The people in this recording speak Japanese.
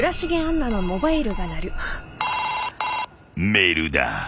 ［メールだ］